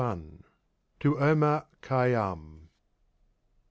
XXI. To Omar Kha'yya'm.